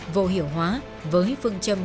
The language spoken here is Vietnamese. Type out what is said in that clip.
vô hiểu hóa với phương châm